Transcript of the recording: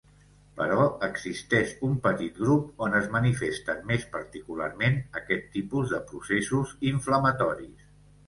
Però existeix un petit grup on es manifesten més particularment aquest tipus de processos inflamatoris.